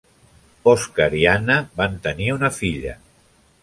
Oscar i Anna van tenir una filla.